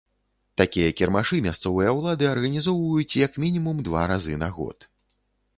Такія кірмашы мясцовыя ўлады арганізоўваюць як мінімум два разы на год.